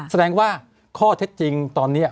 แสดงว่าข้อเท็จจริงตอนนี้